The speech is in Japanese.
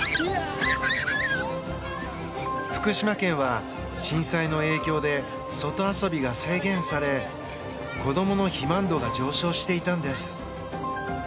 福島県は震災の影響で外遊びが制限され子供の肥満度が上昇していたんです。